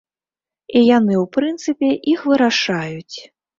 І яны, у прынцыпе, іх вырашаюць.